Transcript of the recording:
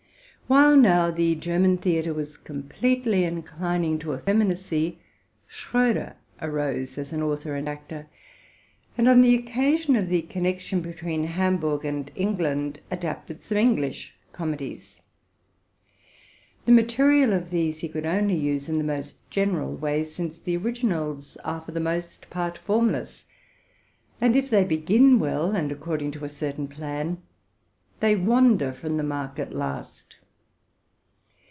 While now the German theatre was completely inclining effeminacy, Schroder arose as both author and actor, and, reat by the connection between Hamburg and England, adapted some English comedies. 'The material of these he could only use in the most general way, since the originals are for the most part formless ; and, if they begin well and according to a certain plan, they wander from the mark at last.